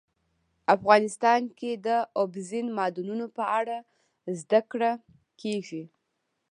افغانستان کې د اوبزین معدنونه په اړه زده کړه کېږي.